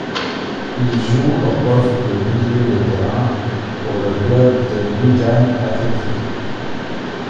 Il joue au poste de milieu de terrain pour le club de Wigan Athletic.